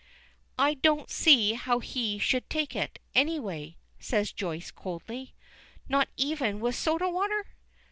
"I don't see how he should take it, anyway," says Joyce, coldly. "Not even with soda water?"